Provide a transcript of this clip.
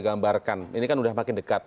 gambarkan ini kan udah makin dekat